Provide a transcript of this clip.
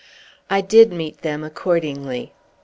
I did meet them, accordingly.